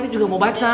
ini juga mau baca